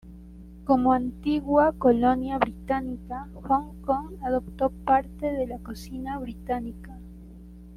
Como antigua colonia británica, Hong Kong adoptó parte de la cocina británica.